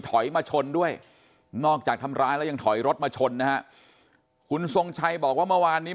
ถอยมาชนด้วยนอกจากทำร้ายแล้วยังถอยรถมาชนนะฮะคุณทรงชัยบอกว่าเมื่อวานนี้